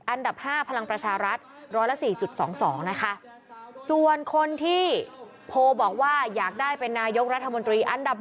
อันดับ๕พลังประชารัฐร้อยละ๔๒๒นะคะส่วนคนที่โพลบอกว่าอยากได้เป็นนายกรัฐมนตรีอันดับ